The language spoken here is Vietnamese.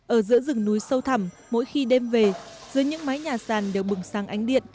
ở giữa rừng núi sâu thẳm mỗi khi đêm về dưới những mái nhà sàn đều bừng sáng ánh điện